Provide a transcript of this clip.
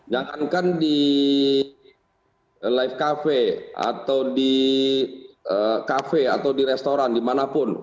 jangan di live cafe atau di cafe atau di restoran di mana pun